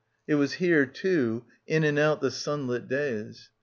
It was here, too, in and out the sunlit days.